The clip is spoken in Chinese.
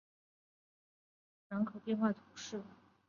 维涅厄勒人口变化图示